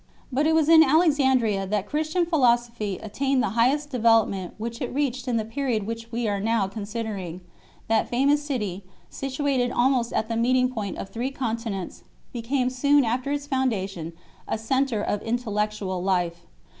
But it was in Alexandria that Christian philosophy attained the highest development which it reached in the period which we are now considering. That famous city, situated almost at the meeting point of three continents, became soon after its foundation a centre of intellectual life.